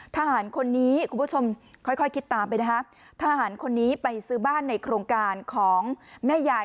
ทหารคนนี้คุณผู้ชมค่อยค่อยคิดตามไปนะฮะทหารคนนี้ไปซื้อบ้านในโครงการของแม่ยาย